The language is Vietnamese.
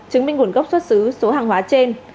chứng minh nguồn gốc xuất xứ số hàng hóa trên